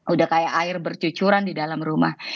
udah kayak air bercucuran di dalam rumah